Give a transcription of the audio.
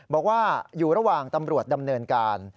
บอกว่าอยู่ระหว่างตำรวจดำเนินการ